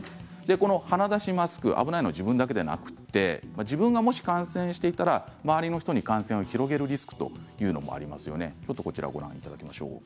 鼻だしマスク、危ないのは自分だけではなく自分が感染していたら周りの人に感染を広げるリスクというのもあります。